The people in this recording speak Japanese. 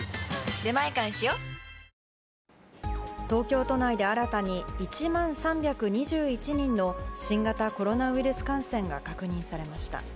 東京都内で新たに１万３２１人の新型コロナウイルス感染が確認されました。